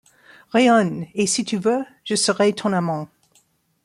Rayonne, et, si tu veux, je serai ton amant.